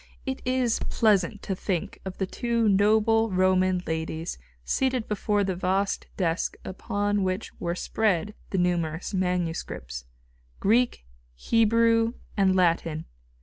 It is pleasant to think of the two noble Roman ladies seated before the vast desk upon which were spread the numerous manuscripts, Greek, Hebrew and Latin...